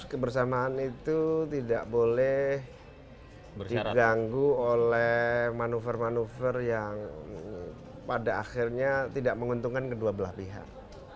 kebersamaan itu tidak boleh diganggu oleh manuver manuver yang pada akhirnya tidak menguntungkan kedua belah pihak